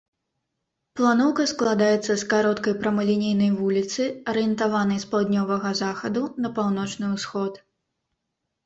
Планоўка складаецца з кароткай прамалінейнай вуліцы, арыентаванай з паўднёвага захаду на паўночны ўсход.